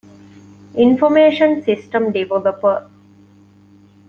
އިންފޮމޭޝަން ސިސްޓަމް ޑިވެލޮޕަރ